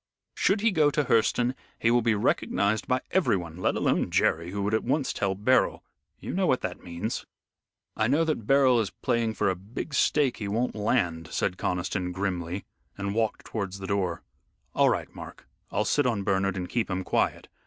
Should he go to Hurseton he will be recognized by everyone, let alone Jerry, who would at once tell Beryl. You know what that means." "I know that Beryl is playing for a big stake he won't land," said Conniston, grimly, and walked towards the door. "All right, Mark, I'll sit on Bernard and keep him quiet.